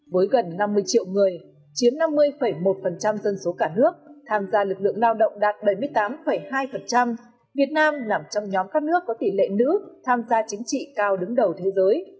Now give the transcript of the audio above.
với gần năm mươi triệu người chiếm năm mươi một dân số cả nước tham gia lực lượng lao động đạt bảy mươi tám hai việt nam nằm trong nhóm các nước có tỷ lệ nữ tham gia chính trị cao đứng đầu thế giới